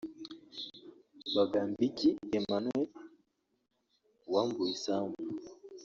Bagambiki Emmanuel nawe wambuwe isambu